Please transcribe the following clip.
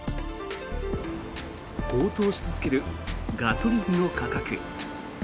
高騰し続けるガソリンの価格。